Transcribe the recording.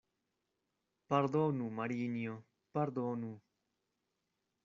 Pardonu, Marinjo, pardonu!